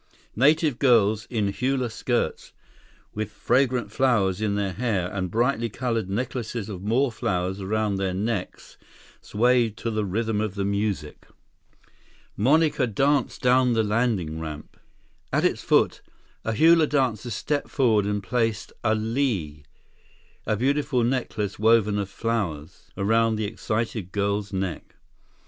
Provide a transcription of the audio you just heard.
Native girls, in hula skirts, with fragrant flowers in their hair and brightly colored necklaces of more flowers around their necks, swayed to the rhythm of the music. Monica danced down the landing ramp. At its foot, a hula dancer stepped forward and placed a lei, a beautiful necklace woven of flowers—around the excited girl's neck.